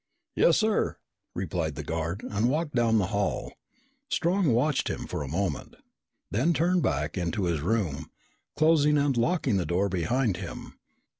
"Yes, sir," replied the guard and walked down the hall. Strong watched him for a moment, then turned back into his room, closing and locking the door behind him.